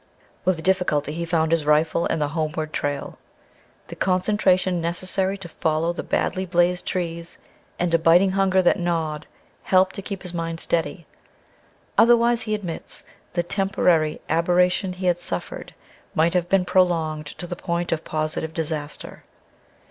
With difficulty he found his rifle and the homeward trail. The concentration necessary to follow the badly blazed trees, and a biting hunger that gnawed, helped to keep his mind steady. Otherwise, he admits, the temporary aberration he had suffered might have been prolonged to the point of positive disaster.